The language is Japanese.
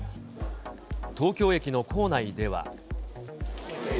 東京駅の構内では。